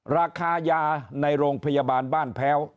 ราคายาในโรงพยาบาลบ้านแพ้ว